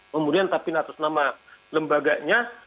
kemudian tapin atas nama lembaganya